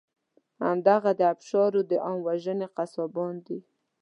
همدغه د آبشارو د عام وژنې قصابان دي.